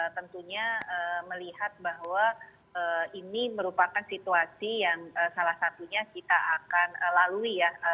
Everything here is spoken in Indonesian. tentunya melihat bahwa ini merupakan situasi yang salah satunya kita akan lalui ya